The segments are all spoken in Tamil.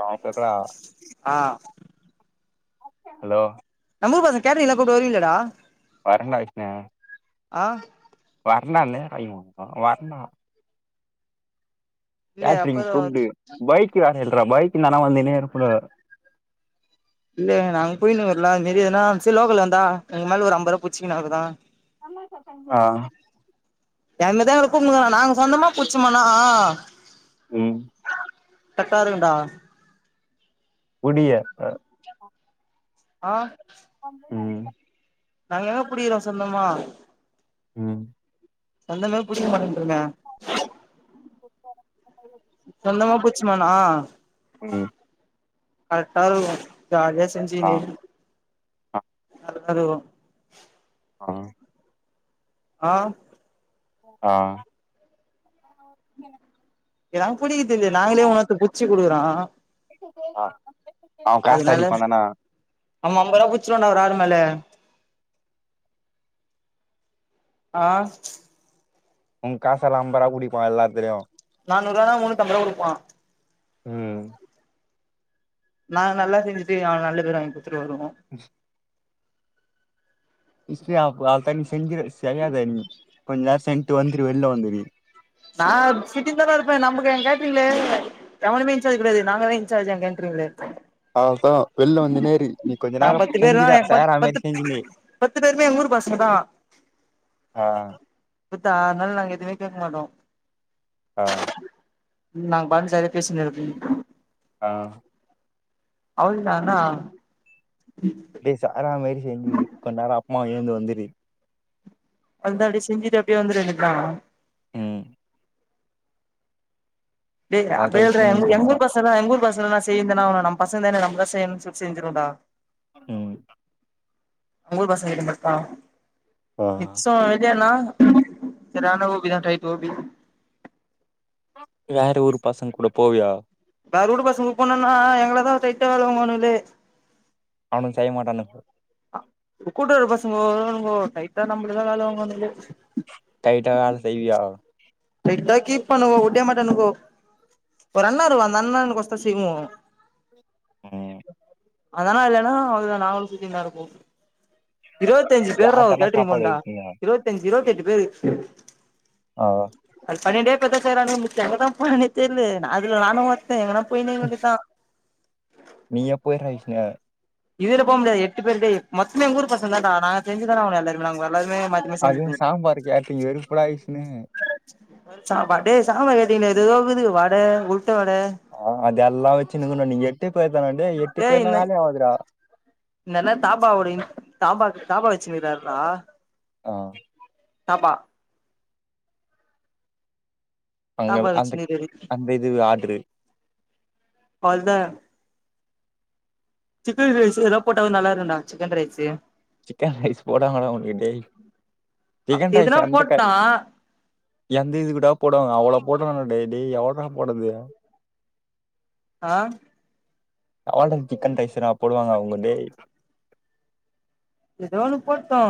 ஆஹ் கேக்கலா ஆஹ் ஹலோ ஊர் பசங் கேட்ரீங்கலா கூப்டா வரீவீங்லடா வரண்டா விஷ்ணு ஆஹ் [unintelligible] இல்லையே கேட்ரிங் அப்பறோ கூப்டு பைக்கு ல்ரா பைக் நானா வந்து என்னய எலுப்ர இல்ல நாங்க போயின்னு வர்லோ அது மாரி ஏதனா ச லோக்கல வந்த எங்க மேல ஒரு அம்ப ரூபா பிச்சுக்கு னாதா ஆஹ் எங்கதா இருக்குங்ளா நாங்க சொந்தமா புச்சோம்ண்ணா உம் கட்டாருக்குடா உடிய அ ஆஹ் உம் நாங்க தா புடிக்றோ சொந்தமா ஹு ம் சந்தமவே புடிக்க மாட்டேன்றன [unintelligible] சொந்தமா புச்சுமானா கர்டாருக்கு ஜாலியா செஞ்சுனு அதுவு ஆஹ் ஆஹ் ஆஹ் என்ன எதா புரிய்துஞ்சர்லா நாங்களே உனத்த புச்சி குடுக்குறோ ஆ அவன் காசு அடிப்பாந்தான அமா ஐம்பரூபா புச்சுருவாண்டா ஒரு ஆளு மேல ஆஹ் உ காசல்லா அம்பரா புடிப்பா எல்லாத்துலயு நானூறுவானா முன்னுத்தம்பருவா குடுப்போ ம் நாங்க நல்லா செஞ்சுட்டு அவே நல்ல பேரு வாங்கிட்டு [unintelligible] வருவோ [unintelligible] செஞ்சு சரியாத நீ கொஞ்ச சென் ட்டு வந்துரு வெள்ல வந்துரு நா சிட்டில தான்னாருப்பே நம்க்கு என் கேட்ரிங்ளே எவனுமே இன்சார்ஜ் கெடையாது நாங்க தா இன்சார்ஜ் என் கேட்ரிங்களே அதான் வெளில வந்து நேரு நீ கொஞ்ச நா நேரம் பத்து பேரு தா செஞ்சுடா ப சேரா பத்து மாதிரி செஞ்சுனே பத்து பேருமே எங்க ஊரு பசங்க தா ஆ டுத்தா அதனால நாங்க எதுவுமே கேக்க மாட்டோ ஆ நாங் [unintelligible] ஆ அவுள தானா பேச ஆராம [unintelligible] எந்து வந்துரு அப்டிதா அடி செஞ்சுட்டு அப்படியே வந்துர வேண்டி தா ம் அதான் [unintelligible] எங்கூ முன்னூத்தி ஐம்பது ரூபா எங்கூர் பசங்கலா எங்கூர் பசங்களா சேந்து என்னா பண்ணுவோ நம் பஸ் எந்த வேல நம்பதா செய்யனு சப் செஞ்சுறதா அப்பிடிங்களா ஊர் பஸ் [unintelligible] ஆ நிச்சம் ஐடியாலாங்க் சாதாரன ஒவியா டைப் ஒ [unintelligible] வேற ஒரு பசங்கக்கூட போவியா வேற ஊர் பசங்க கூட போனன்னா எங்கள தான் ஸ்ட்ரைட்டா வேல வாங்குவானுங்களே அவனுங்க செய்ய மாட்டனுங்க ஆ கூட இருக்க [unintelligible] பஸ் தைட்டா நம்மளதான் வேல வாங்வகுவனுங்க டைட்டா வேல செய்வியா தைட்டா கீ பண்ணுவோம் ஓடய மாட்டானுங்கோ ஒரு அண்ணா வருவா அந்த அண்ணனுக்கோசரம் செய்வோம் ம் அதானா இல்லன்னா அதுல நாங்களும் சுத்தினு கடப்போம் இருவத்திஞ்சு பேருடா அவ யார்ட்டனா கேட்டறீங்க் சாப்பாடு பன்றா வைப்பீங்க இருவத்தஞ்சு இருவத்தி அஞ்சு ஏய் ஆ பழய டேட்லதா சேராத வுட்டே இப்ப தா [unintelligible] தெரில அதுல நானும் ஒரு எங்கனா [unintelligible] வந்துச்சா நீீ எப்போ எந்திரிச்ச இதுல போக முடியாது எட்டு பேருதா மொத்தமே ஊர் பசங்கதான் டா நாங்க தெரிஞ்சுதான அவுங்கெல்லாருமே அதுவு சாம்பார் கேட்டரிங் வெறுப்புல்லா ஆயிச்சுன்னு சாப்பாடே சாம்பார் கேட்டீங்கன்ன எதோகுது வாட உளுந் ஆஹ் அதல்லா வச்சுனுக்குனு நீங்க இப்ப எத்தாகன டேய் எட்டு பேருனா வேலை ஆகாதுடா என்னன்னா தாபாவோட தாபாக்கு தாபா வச்சு நிக்குறாருனா ஆஹ் தாபா அங்க தாபா அந்த அந்த இது ஆட்டரு பல்ல சிக்கன் ரைஸ் ஏதா போட்டா கூட நல்லா இருக்குண்டா சிக்கன் ரைஸ்ஸு சிக்கன் ரைஸ் போடமாங்க டே டேய் சிக்கன் ரைஸ் எதுனா அந்த போட்டா கடை எந்து இதுகுடா போட்வாங்க அவ்வளோ போட்றாங்கா டே டேய் எவள்றா போடுது ஆ அவல் தா சிக்கன் ரைஸ்ஸுதா போடுவாங்க அவங்க டேய் எதோ ஒண்ணு போட்டோ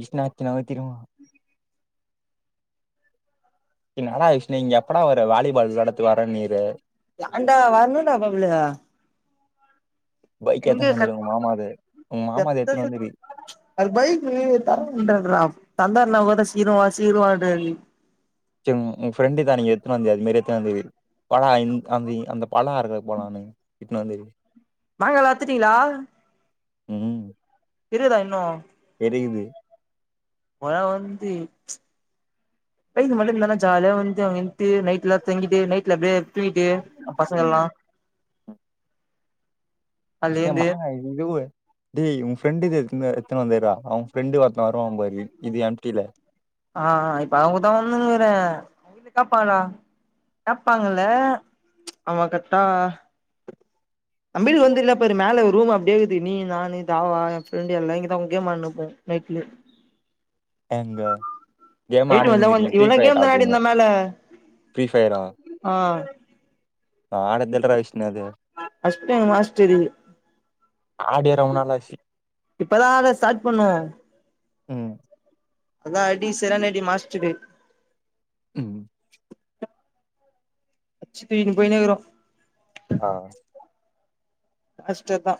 விஷ்நாத்தினாவ திரும்போ இன்னாடா விஷ்ணு இங்க எப்படா வர வாளிபால் வெளாடத்து வரன்னீரு ஏண்டா வரணுன்டா பப்ளே பைக் எங்க எத்துன்னு வந்துரு கர்ட் உங்க மாமாது உங்க மாமாது கர்ட்டா எத்துன்னு சொ வந்துரு அவ்ரு பைக்கு தரமாட்டார் டா தந்தார்னா கூட சீக்ரோ வா சீக்ரோவான்றாரு சேர் உ உன் ஃப்ரெண்டு தா அனிக்கி எத்னு வந்தியே அது மாரி எத்னு வந்துரு பலா இன் அந்த இ அந்த பலோ ஆறுக்கு போலான்னு இட்னு வந்து வெய் மாங்காளா அத்துட்டிங்ளா ஊம் இருகுதா இன்னு ருகுது ஒர்நா வந்து வெய்லு மட்டோல்லனா ஜாலியா வந்து அங்க இந்ட்டூ நைட்ல தங்கிட்டு நைட்ல அப்டியே தூங்கிட்டு நம் பசங்கல்லா அதுல விஹ்ணு ஏந்து மாங்க எதுமே உ டேய் உ ஃப்ரெண்டுது எத் னு எத்னு வந்துறா அவ ஃப்ரெண்டு ஒருத்த வருவா பாரு இது எம் டீ ல ஆ இப்ப அவங்கூட்தா வந்துனுறே அவங் வீட்ல கேப்பாங்கலாடா கேப்பாங்கல்ல அவ கட்டா நம்ம வீட்டு வந்து உலப்பாரு மேல ஒரு ரூம் அப்டேக்குது நீ நானு தவா எ ஃப்ரெண்டு எல்லா இங்கதா அவுங் கேம் ஆட்னுப்போ நைட்ல எங்க கேம் போய்ட்டு வந்தா வந் ஆடினுக்கிறீங்க ஃப்ரீ இவ்ளோ நே ஃபயர் கேம் தா ஆடுறீங்க ஆடிந்தோ மேல ஃப்ரீ ஃபயரா ஆ நான் ஆட தெரியல விஷ்ணு அது நா அஷ்டே மாஸ்டரு ஆடியே ரொம்ப நாள் ஆச்சு இப்பதா அத ஸ்டாட் பண்ணோ உம் அதா அடி செறான அடி மாஸ்ட்டுக்கு ம் [inaudible] அச்சி தூகினு போய்னேக்குறோ ஆ அஷ்ட தா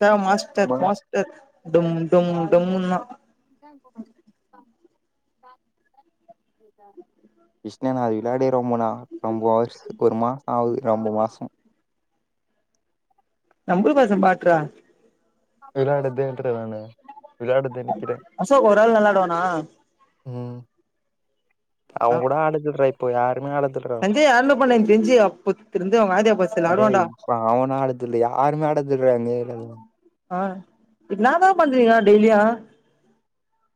தா மாஸ்டர் மா மாஸ்டர் டன் டன் டன்னா க்ருஷ்ணனா அது வெளாடியே ரொம்ப நா ரொம்போ வர்ஸ் ஒரு மாசோ ஆவுது ரொம்ப மாசம் நம்ளுக்கோச பாக்றா விளாடுதுன்றுவே நா அசோக் ஒரு ஆள் வெளாடுவனா ம் அவுங் கூட ஆடற்தில இப் போயாட் துமே ஆடதுலயா சஞ்சய் யாருன்னு பண்ண எனக்கு தெரிஞ்சு அப்பத்துலருந்து அவங்க ஆதியா பாஸ்ல டேய் ஆடுவான்டா இப்ப அவன ஆடதுல்லயா ஆருமே ஆடதுல்ல ம் ஆஹ் என்னா தா பண்றீங்க டெய்லியு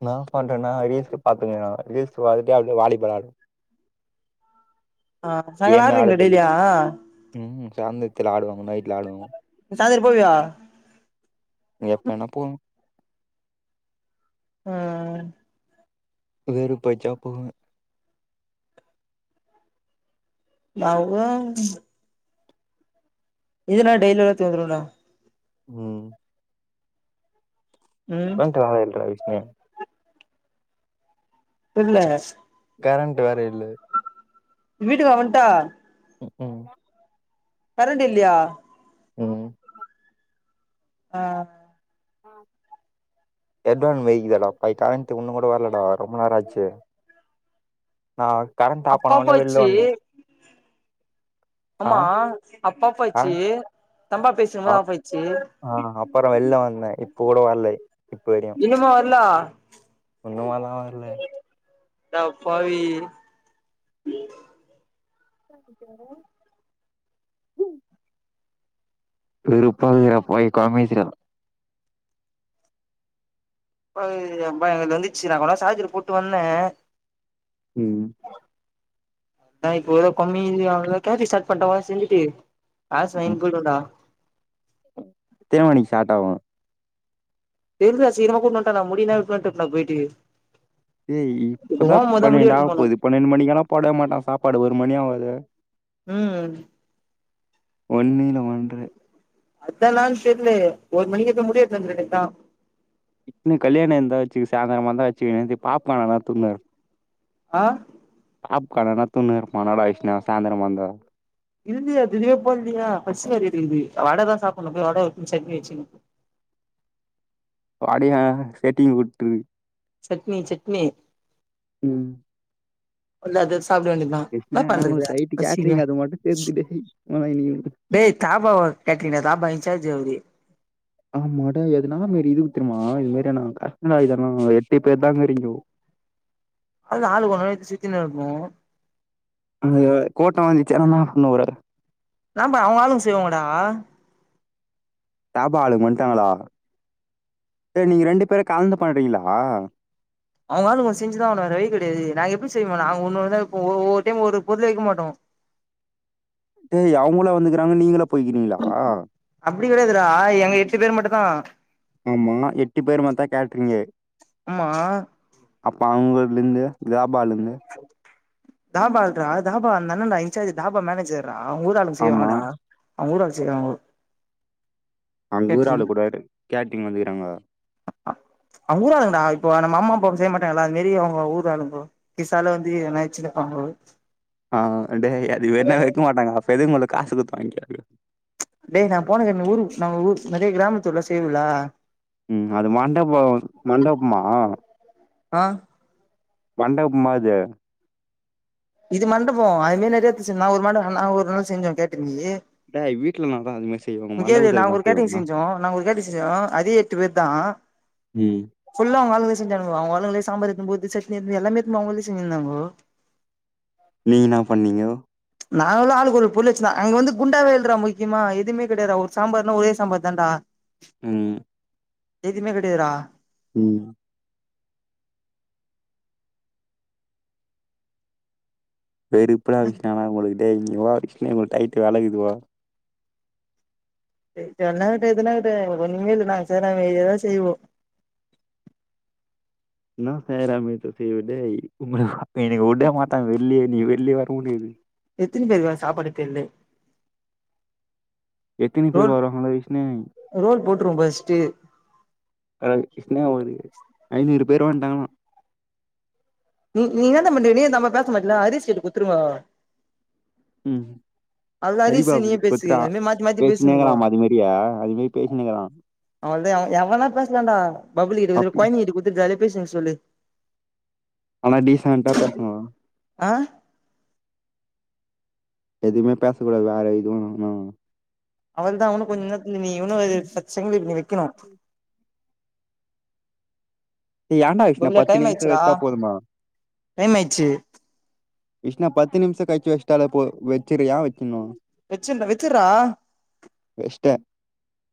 நா பண்றேன்னா ரீல்ஸ்ஸு பாத்துனு ரீல்ஸ் பாத்துட்டு அப்டியே வாலிபால் ஆடுவே ஆ சாயங்கால கேமே ஆடுறீங்களா ஆடுரதில்ல டெய்லியா உம் சாந்திரத்தில ஆடுவாங்க நைட் விளாடுவோ சாயந்திரம் போவியா எப்ப வேணா போவே உம் வேறு போச்சா போங்க [unintelligible] இதுனா டெய்லிலா தீந்திருல்ல உம் ம் அதா காலைல வைஸ் நேம் இல்ல கரண்ட் வேற இல்ல வீட்டுக்கா வன்ட்ட உக்கும் கரண்ட் இல்லயா உம் ஆஹ் [unintelligible] கரண்ட் ஒன்னு கூட வரலடா ரொம்ப நேரம் ஆச்சு நா கரண்ட் ஆஃப் பண்ண அப்பா உடனே வெளில போச்சு வந்தே ஆ ஆமா அப்பா போச்சு கரண்ட் தம்பா பேச ஆ போது ஆஃப்பாச்சு ஆ அப்புறோ வெளில வந்தே இப்ப கூட வலே தெரியு ஒண்ணுமலா வல்ல அடப்பாவி [inaudible] வெறுப்பா இருக்குதுடா போய் [unintelligible] [unintelligible] வந்துச்சு நா தா சாஜரு போட்டு வந்தே உம் நா இப்போ கம்மி [unintelligible] ஸார்ட் பண்ணமாரி செஞ்சுட்டு ஆஹ் ம் சைன் குடுடா எத்தன மணிக்கு ஸ்டார்ட் ஆகு தெரிதா சீக்கரமா கூட்டு வட்டே நான் முடினா வெட்ன விட்டு போய்டு ஏ இப்பதான் பன்னெண்டு ஆக போனு போகுது பன்னெண்டு மணிக்களாம் சாப்பட மாட்டான் சாப்பாடு ஒரு மணியாவுது உம் ஒன்நீளம் ஒன்று அத்த நாள் தெர்லையே ஒரு மணிக்கு எப்ப முடியெடுத்து வந்தர வேண்டிதா இப்பனு கல்யணம் எந்தாச்சு சாய்ந்தரமா தான் ஆச் செய்ணது பாப்ப கணத்ததுன்னர் ஆஹ் பாக் கடலா துன்னு ரொம்ப நாள் ஆயிருச்சு நா சாய்ந்தரொ வந்துற்றேன் [unintelligible] இடியாப்ப இல்லியா பசியா இருக்குது வட தா சாப்படனு போ வட வச்சு சட்னி வச்சினு வடையா ஸ்கேட்டிங் விட்ரு சட்னி சட்னி ம் [unintelligible] சாப்பிட வேண்டதா என்ன கிருஷ்ணா ஆனா பண்றது உங்களுக்கு நைட்டு பசிக்கு கேட்ரிங் அது மட்டு சேத்துடு போடா இன்னைக்கு டேய் தாபா கேட்டீங்க இல்ல தாபா இன்சார்ஜ் அவரு ஆமாட எதுனா மாரி இது தெரியுமா இது மாதிரினா [unintelligible] இதெல்லாம் எட்டு பேர் தா இருக்கிரீங்கோ அதா ஆளுக்கு ஒரு நாளக்கு சுத்தின்னு இருப்போ அந்த கோட்டம் வந்துச்சு என்னாப் ஒண்ணு வராது ஆமா அவங்க ஆளுங்க செய்வாங்கடா தாபா ஆளுங் வன்டாங்களா டேய் நீங்க ரெண்டு பேரு கலந்து பண்றீங்களா அவங்க வேல செஞ்சுதா ஆவனு வேற வழி கிடையாது நா எப்டி செய்வே நா ஒன்னுன் போ ஒவ்வொரு டைம் ஒரு பொருள வைக்க மாட்டோ ஏய் அவங்கள வந்துக்கிறாங்க நீங்களா போய்கீங்களா அப்டி கெடையாதுடா எங்க எட்டு பேர் மட்டும்தா ஆம்மா எட்டு பேரு மாறிதான் கேட்ரீயே ஆமா அப்பா அவுங்கதுலந்து இதாப் ம்பாலுங்கன்னு தாபா தா தாபா அதுனால நா இன்சார்ஜ் தாபா மேனேஜர் நா கூட ஆளுங்க ஆமா செய்வாங்கடா அவங்க ஊரு ஆள் செய்வாங்க அங்கூரு ஆளு கேட்ரிங் கூட கேட்டிங் வந்துக்கிறாங்கா அவங்க ஊரா ஆளுங்கடா இப்போ நம்ம அம்மா அப்பா செய்ய மாட்டாங்களா அது மாரி அவங்க ஊரா ஆளுங்க கிஸாலு வந்து என்னாச்சுப்பாங்கோ ஆ டேய் அது வேணா வைக்க மாட்டாங்கடா இப்ப எதுக்கு உங்களுக்கு காசு கொடுத்து வாங்கிக்கிறது டேய் நா போன ஊர் நாங்க ஊர் நெறைய கிராமத்துல செய்னுல ம் அது மண்டபோ மண்டபமா ஆ மண்டபமா அது இது மண்டபம் அதுவே நிறைய நான் ஒரு நான் ஒரு நாள் செஞ்சே கேட்டு ஏ டேய் வீட்ல நான் தான் அது மாரி செய்வாங்க முகேந் மண்டபத்துல நாங்க ஒரு நான் கேட்டரிங் செய்வாங்க செஞ்சோ நாங்க ஒரு கேட்டரிங் செஞ்சோ அதே எட்டு பேர் தா ம். ஃபுல்லா அவங்களால செஞ்ச அவங்காளுங்களே சாம்பார் எடுத்துனு போறது சட்னி எடுத்துனு எல்லாமே எடுத்துனு போய் அவங்களே செஞ்சிருந்தாங்கோ நீ என்ன பண்ணீங்கோ நான்லா ஆளுக்கு ஒரு பொளு வச்சுதா அங்க வந்து குண்டாவே ல்றா முக்கியமா எதுவுமே கிடையா சாம்பார்னா ஒரே சாம்பார் தான்டா ம் எதுமே கிடையரா ம் வெறுப்பலா விஷயம்னா போலுருக்குடேய் இங்க வா [unintelligible] டைட் வெலகுதுவா டைட்டானா டயத்துல ஒன்னுமே [unintelligible] நாங்க செய்ற வேண்டியத செய்வோ [unintelligible] இன்னைக்கு உட மாட்டான் வெள்ளியே நீ வெள்ளியே வரமுடியாது எத்தினி பேருக்குடா சாப்பாடு கேளு எத்தினி பேரு வராங்களோ விஷ்ணே ரொம்பஷ்டு அ இன்னவா அதுக்கு ஐநூறு பேரு வண்டாங்களா நீ நீ என்னத பண்ற நீ இந்த அம்மா பேச மாட்டல அரிஸ்கிட்ட குத்துருங்கோ உம் அவள்தான் அரிசு நீயே பேசு அதமாரி மாத்தி மாத்தி பேசினிங்கோ பேசினேக்கிறான் அது மாரியா அது மாரி பேசினேக்கிறான். அவள்தான் எவனா பேசலாண்டா பபுல்கிட்ட குத்துட்டு அப்பி கோய்ந்தைங்ககிட்ட குத்துட்டு பேசின்வர சொல்லு ஆனா டீசன்டா பேசணும் ஆ எதுவுமே பேச கூட வேற இதும்ன அவள்தான் அவனும் கொஞ்ச நேரத்ல நீ இன்னும் ஒரு சங்கிலி பின்னி வை கிணும் "ஏய் ஏன்டா விஷ்ணு பபுல டைம் நிமிஷம் ஆய்ட்சுடா வச்சா போதுமா? டைம் ஆய்ச்சு விஷ்னா பத்து நிமிஷம் கழிச்சு வச்டாலே போது வச்சிரியா வக்கினும் வச்சிர்றா வச்சிர்றா வேஷ்டெ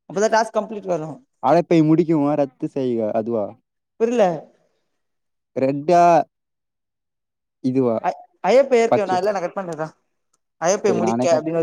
அப்பதா டாஸ்க் கம்ப்ளீட் வரு அழப்பை முடிக்குமா ரத்து செய்க அதுவா புரில ரெட்டா இதுவா அ அயட் பேர்க்கு நா பச்சை இல்ல நா கட் பண் தா அழைப்பை டேய் முடிக்க நானே அப்படின் வருது